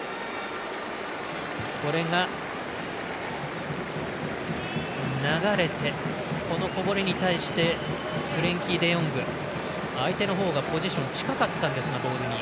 これが流れて、こぼれに対してフレンキー・デヨング相手のほうがポジション近かったんですがボールに。